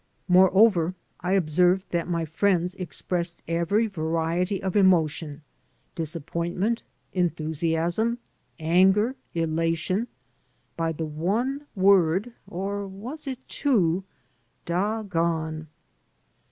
Moreover, I observed that my friends expressed every variety of emotion — disappointment, enthusiasm, anger, elation — by the one word (or was it two?) "doggone."